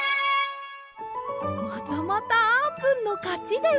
またまたあーぷんのかちです。